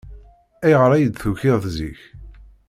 Ayɣer ay d-tukiḍ zik?